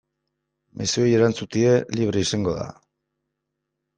Mezuei erantzutea libre izango da.